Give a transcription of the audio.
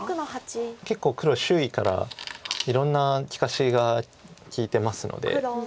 でも結構黒周囲からいろんな利かしが利いてますので。